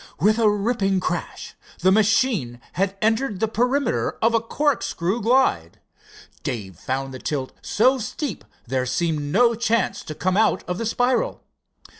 With a ripping crash the machine had entered the perimeter of a corkscrew glide. Dave found the tilt so steep there seemed no chance to come out of the spiral.